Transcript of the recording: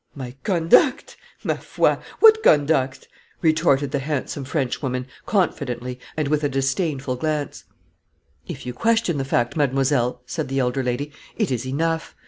"My conduct ma foi! what conduct?" retorted the handsome Frenchwoman, confidently, and with a disdainful glance. "If you question the fact, mademoiselle," said the elder lady, "it is enough.